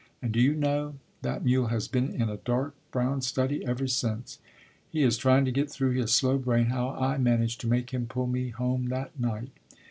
And do you know, that mule has been in a dark brown study ever since. He is trying to get through his slow brain how I managed to make him pull me home that night.